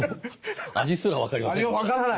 味すら分かりませんでした。